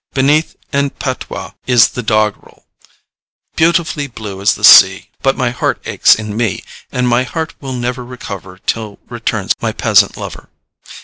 Beneath, in patois, is the doggerel: Beautifully blue is the sea, But my heart aches in me, And my heart will never recover Till returns my peasant lover.